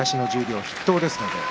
東の十両筆頭です。